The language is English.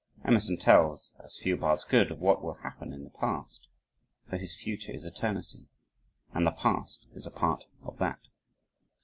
Emerson tells, as few bards could, of what will happen in the past, for his future is eternity and the past is a part of that.